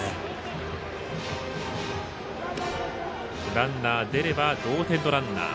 ランナー出れば同点のランナー。